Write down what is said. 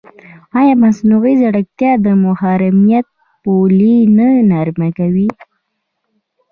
ایا مصنوعي ځیرکتیا د محرمیت پولې نه نری کوي؟